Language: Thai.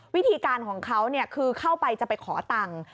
วิธีการของเขาคือเข้าไปจะไปขอตังค์